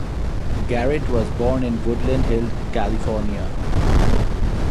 Garrett was born in Woodland Hills, California.